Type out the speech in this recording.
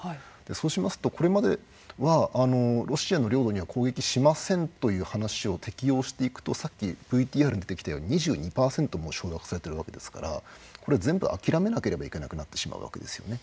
そうしますと、これまではロシアの領土には攻撃しませんという話を適応していくとさっきＶＴＲに出てきたように２２％も掌握されてるわけですから全部、諦めなければいけなくなるわけですね。